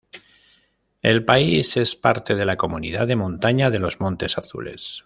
El país es parte de la Comunidad de montaña de los Montes Azules.